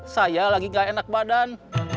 saya lagi gak enak badan